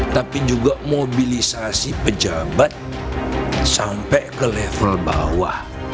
tapi juga mobilisasi pejabat sampai ke level bawah